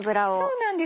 そうなんです。